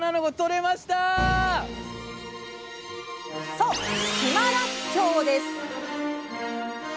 そう島らっきょうです！